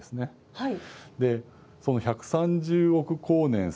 はい。